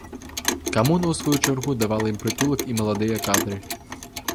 Камуна ў сваю чаргу давала ім прытулак і маладыя кадры.